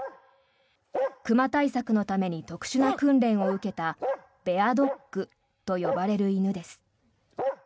熊対策のために特殊な訓練を受けたベアドッグと呼ばれる犬です。